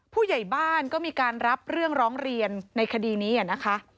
ผู้ใหญ่บ้านก็มีการรับเรื่องร้องเรียนในคดีนี้นะคะ